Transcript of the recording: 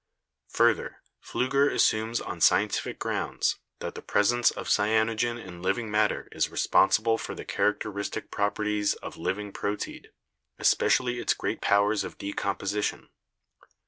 Further, Pfliiger assumes on scientific grounds that the presence of cyanogen in living matter is responsible for the characteristic properties of living proteid, especially its great powers of decomposition.